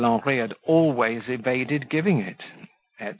Henri had always evaded giving it," &c.